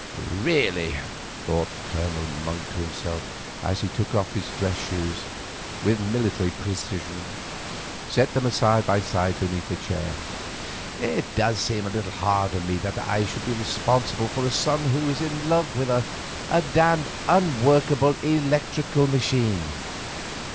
"Really," thought Colonel Monk to himself as he took off his dress shoes and, with military precision, set them side by side beneath a chair, "it does seem a little hard on me that I should be responsible for a son who is in love with a damned, unworkable electrical machine.